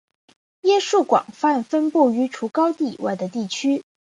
椰树广泛分布于除高地之外的地区。